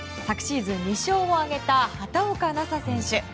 昨シーズン２勝を挙げた畑岡奈紗選手。